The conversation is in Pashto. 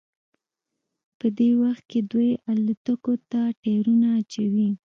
په دې وخت کې دوی الوتکو ته ټیرونه اچوي